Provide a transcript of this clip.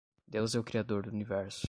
Deus é o Criador do Universo